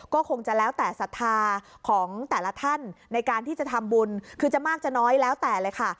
ก็คงจะแล้วแต่ศรัทธาของแต่ละท่านในการที่จะทำบุญคือจะมากจะน้อยแล้วแต่เลยค่ะ